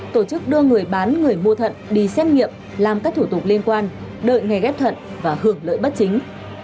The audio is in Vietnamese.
tổ chức đưa người bán người mua thận đi xét nghiệm làm các thủ tục liên quan đợi ngày ghép thận và hưởng lợi bất chính